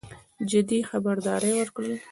جدي خبرداری ورکړ.